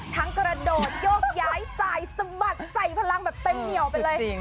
กระโดดโยกย้ายสายสะบัดใส่พลังแบบเต็มเหนียวไปเลย